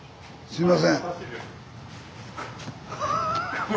すみません。